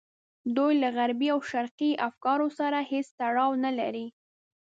دوی له غربي او شرقي افکارو سره هېڅ تړاو نه لري.